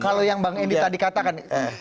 kalau yang bang endi tadi katakan